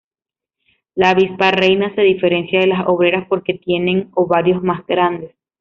La avispa reina se diferencia de las obreras porque tienen ovarios más grandes.